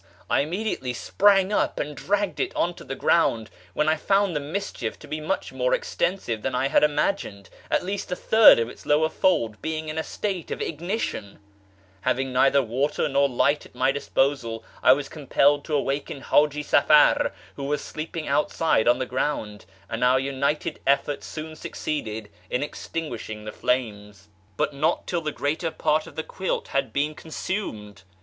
I immediately sprang up and dragged it on to :he ground, when I found the mischief to be much more ex tensive than I had imagined, at least a third of its lower fold being in a state of ignition. Having neither water nor light it my disposal, I was compelled to awaken Haji Safar, who |Vas sleeping outside on the ground ; and our united efforts oon succeeded in extinguishing the flames, but not till the 17 ii 258 A YICylR AAfONGST THE PERSIANS gvoiitor part of the quilt had Leeu consumed.